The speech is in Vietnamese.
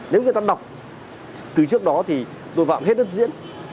nếu người ta đọc từ trước đó thì tội phạm hết đất diễn